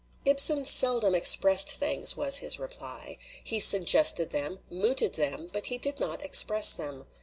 "Ibsen seldom expressed things," was his reply. "He suggested them, mooted them, but he did not express them.